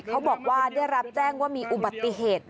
เขาบอกว่าได้รับแจ้งว่ามีอุบัติเหตุ